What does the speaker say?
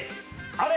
あれ？